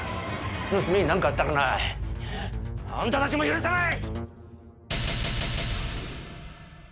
娘に何かあったらなあんたたちも許さない！